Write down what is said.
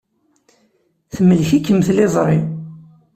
Temlek-ikem tliẓri.